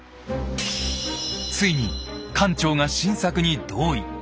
ついに艦長が晋作に同意。